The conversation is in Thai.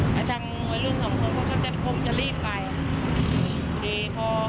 แต่ทั้งรุ่นของเขาก็จะรีบไป